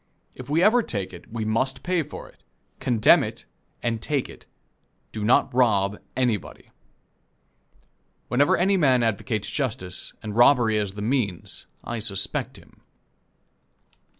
If we ever take it, we must pay for it condemn it and take it do not rob anybody. Whenever any man advocates justice, and robbery as the means, I suspect him.